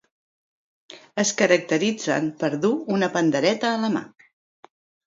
Es caracteritzen per dur una pandereta a la mà.